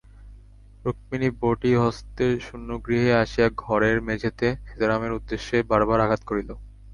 রুক্মিণী বঁটিহস্তে শূন্যগৃহে আসিয়া ঘরের মেজেতে সীতারামের উদ্দেশে বার বার আঘাত করিল।